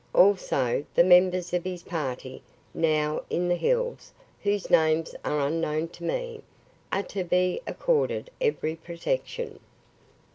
"Also, the members of his party, now in the hills (whose names are unknown to me), are to be accorded every protection.